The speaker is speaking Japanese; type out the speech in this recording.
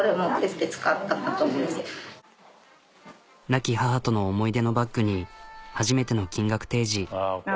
亡き母との思い出のバッグに初めての金額提示。